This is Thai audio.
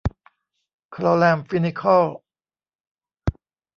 คลอแรมฟินิคอล